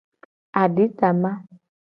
Aditama.